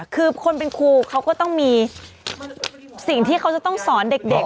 คือคนเป็นครูเขาก็ต้องมีสิ่งที่เขาจะต้องสอนเด็ก